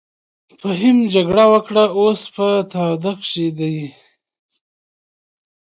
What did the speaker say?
فهيم جګړه وکړه اوس په تاوده کښی دې.